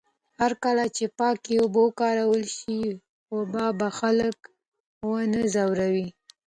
هرکله چې پاکې اوبه وکارول شي، وبا به خلک ونه ځوروي.